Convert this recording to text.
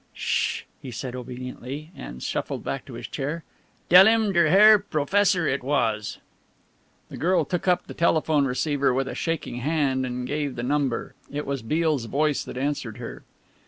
"Sch," he said obediently, and shuffled back to his chair, "dell him der Herr Brofessor it was." The girl took up the telephone receiver with a shaking hand and gave the number. It was Beale's voice that answered her.